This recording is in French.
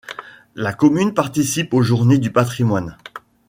La commune participe aux journées du patrimoine.